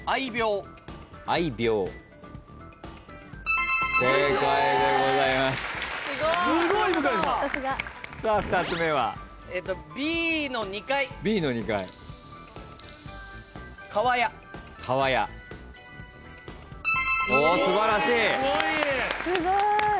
・すごい。